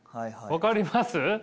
分かります？